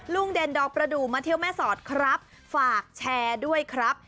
เด่นดอกประดูกมาเที่ยวแม่สอดครับฝากแชร์ด้วยครับ